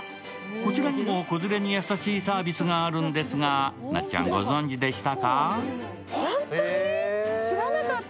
こちらにも子連れに優しいサービスがあるんですがなっちゃん、ご存じでしたか？